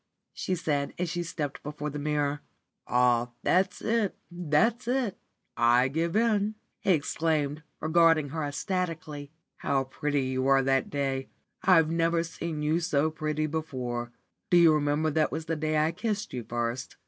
she said, as she stepped before the mirror. "Ah, that's it, that's it! I give in," he exclaimed, regarding her ecstatically. "How pretty you were that day! I'd never seen you so pretty before. Do you remember that was the day I kissed you first?